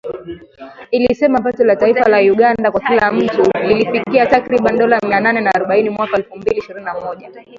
ilisema pato la taifa la Uganda kwa kila mtu lilifikia takriban dola mia nane na arobaini mwaka wa elfu mbili ishirini na moja.